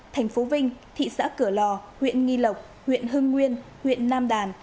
thành phố vinh thị xã cửa lò huyện nghi lộc huyện hưng nguyên huyện nam đàn